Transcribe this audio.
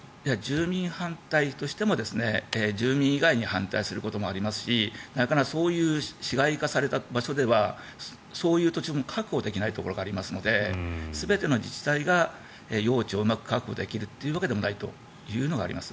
住民反対としても住民以外に反対することもありますしそういう市街化された場所ではそういう土地も確保できないところがありますので全ての自治体が用地をうまく確保できるというわけでもないというのがあります。